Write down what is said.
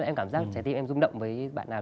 em cảm giác trái tim em rung động với bạn nào